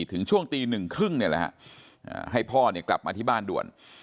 ถึงช่วงตี๑ครึ่งให้พ่อกลับมาที่บ้านด่วน